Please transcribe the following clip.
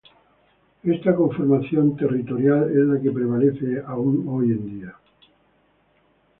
Esta conformación territorial es la que prevalece aún hoy en día.